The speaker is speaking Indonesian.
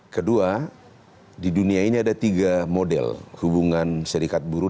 kedua di dunia ini ada tiga model hubungan serikat buruh